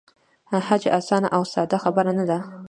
حج آسانه او ساده خبره نه ده.